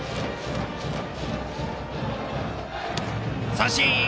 三振！